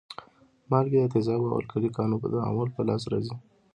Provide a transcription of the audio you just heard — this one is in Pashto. مالګې د تیزابو او القلي ګانو په تعامل په لاس راځي.